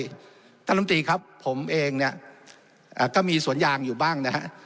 ต่างจุดว่าท่านลำตีครับผมเองเนี่ยอ่าก็มีสวนยางอยู่บ้างนะฮะ